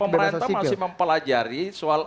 pemerintah masih mempelajari soal